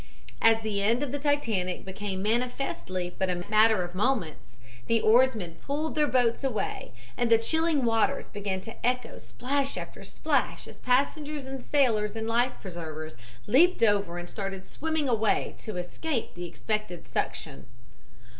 "As the end of the Titanic became manifestly but a matter of moments, the oarsmen pulled their boats away, and the chilling waters began to echo splash after splash as passengers and sailors in life preservers leaped over and started swimming away to escape the expected suction.